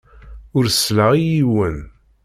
Ur selleɣ i yiwen.